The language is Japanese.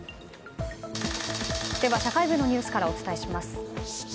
では、社会部のニュースからお伝えします。